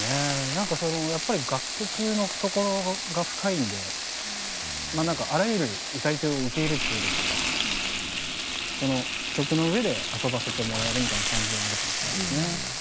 なんかそのやっぱり楽曲の懐が深いんでまあなんかあらゆる歌い手を受け入れてくれるっていうかその曲の上で遊ばせてもらえるみたいな感じはあるかもしれないですね。